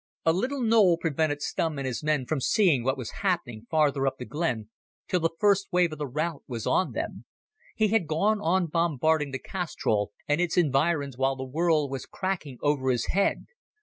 A little knoll prevented Stumm and his men from seeing what was happening farther up the glen, till the first wave of the rout was on them. He had gone on bombarding the castrol and its environs while the world was cracking over his head.